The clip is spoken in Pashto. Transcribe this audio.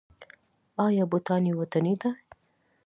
آیا بوټان یې وطني دي؟